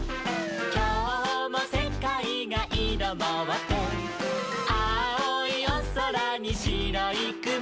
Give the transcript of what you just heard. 「きょうもせかいがイロもって」「あおいおそらにしろいくも」